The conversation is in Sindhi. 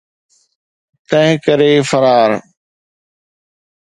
تنهن ڪري فرار.